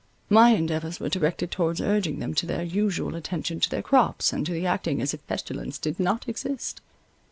My endeavours were directed towards urging them to their usual attention to their crops, and to the acting as if pestilence did not exist.